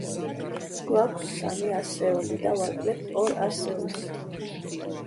გვაქვს სამი ასეული და ვაკლებთ ორ ასეულს.